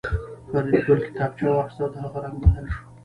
فریدګل کتابچه واخیسته او د هغه رنګ بدل شو